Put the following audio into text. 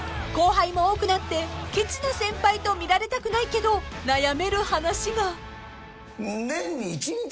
［後輩も多くなってケチな先輩と見られたくないけど悩める話が］